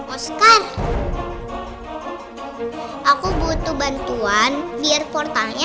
osca aku butuh bantuan biar portalnya